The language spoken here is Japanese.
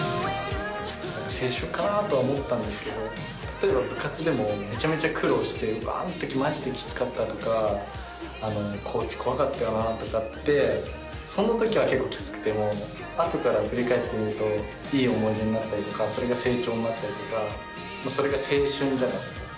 例えば部活でもめちゃめちゃ苦労して「うわあん時マジできつかった」とか「コーチ怖かったよな」とかってその時は結構きつくても後から振り返ってみるといい思い出になったりとかそれが成長になったりとかそれが青春じゃないですか。